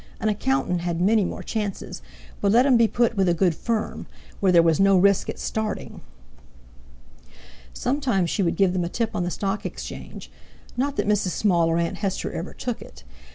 An accountant had many more chances, but let him be put with a good firm, where there was no risk at starting! Sometimes she would give them a tip on the Stock Exchange; not that Mrs. Small or Aunt Hester ever took it.